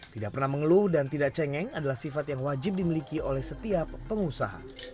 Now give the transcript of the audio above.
tidak pernah mengeluh dan tidak cengeng adalah sifat yang wajib dimiliki oleh setiap pengusaha